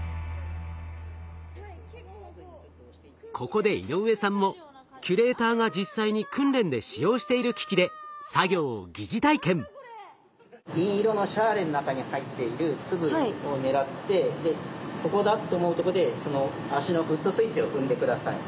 ここで井上さんもキュレーターが実際に訓練で使用している機器で銀色のシャーレの中に入っている粒を狙ってここだと思うとこでその足のフットスイッチを踏んで下さい。